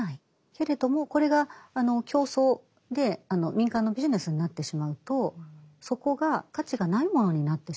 けれどもこれが競争で民間のビジネスになってしまうとそこが価値がないものになってしまう。